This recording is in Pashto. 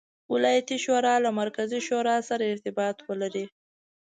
ولایتي شورا له مرکزي شورا سره ارتباط ولري.